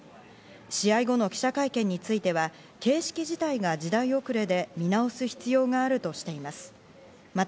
試合後の記者会見については形式自体が時代遅れで見直す必要があるとしています。